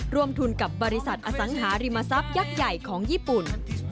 ร่วมทุนกับบริษัทอสังหาริมทรัพย์ยักษ์ใหญ่ของญี่ปุ่น